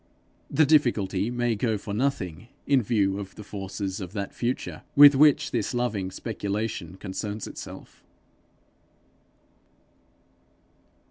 The difficulty may go for nothing in view of the forces of that future with which this loving speculation concerns itself.